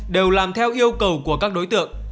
đều làm theo yêu cầu của các đối tượng